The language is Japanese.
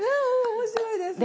面白いですね。